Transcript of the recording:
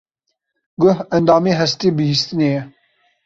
Guh endamê hestê bihîstinê ye.